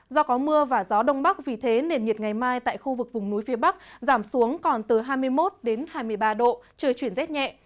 do có mưa và gió đông bắc vì thế nền nhiệt ngày mai tại khu vực vùng núi phía bắc giảm xuống còn từ hai mươi một hai mươi ba độ trời chuyển rét nhẹ